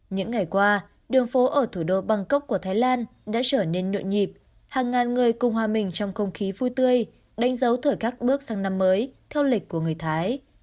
những ngày qua đường phố ở thủ đô bangkok của thái lan đã trở nên nhộn nhịp hàng ngàn người cùng hòa mình trong không khí vui tươi đánh dấu thời các bước sang năm mới theo lịch của người thái